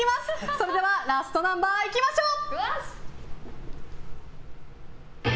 それではラストナンバーいきましょう！